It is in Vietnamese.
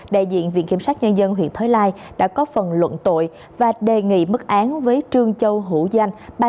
đại diện viện kiểm sát nhân dân huyện thới lai đã có phần luận tội và đề nghị mức án với trương châu hữu danh